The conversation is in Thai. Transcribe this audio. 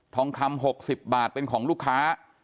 ทองคำ๖๐บาทเป็นของลูกค้า